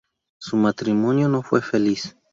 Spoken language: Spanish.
Su matrimonio no fue feliz.